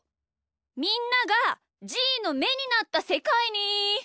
みんながじーのめになったせかいに。